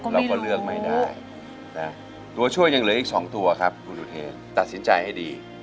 เราก็เลือกไม่ได้นะตัวช่วยยังเหลืออีก๒ตัวครับคุณอุเทนตัดสินใจให้ดี